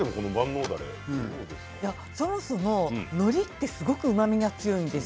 そもそも、のりはすごくうまみが強いんです。